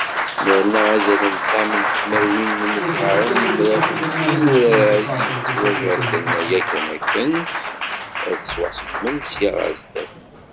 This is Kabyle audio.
Nerna azal n ṭam tmerwin n yimelyaren i mraw n yinurar i yettwajerden yakan akken ad ttwaṣegmen sya ɣar sdat.